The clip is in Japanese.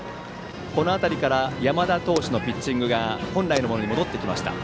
この辺りから山田投手のピッチングが本来のものに戻ってきました。